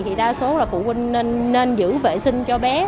thì đa số là phụ huynh nên giữ vệ sinh cho bé